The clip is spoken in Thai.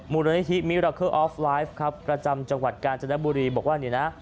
มูลนิธิมิราเคอร์ออฟไลฟ์ครับประจำจังหวัดกาญจนบุรีบอกว่าเนี่ยนะ